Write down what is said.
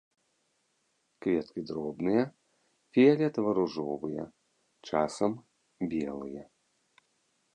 Кветкі дробныя, фіялетава-ружовыя, часам белыя.